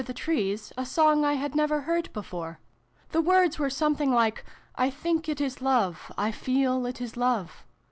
the trees, a song I had never heard before. The words were something like ' I think it is Love, I feel it is Love.'